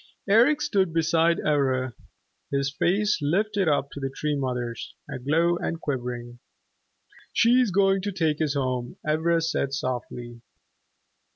Eric stood beside Ivra, his face lifted up to the Tree Mother's, aglow and quivering. "She is going to take us home," Ivra said softly.